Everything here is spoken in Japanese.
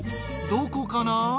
どこかな？